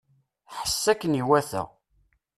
Ḥess akken iwata.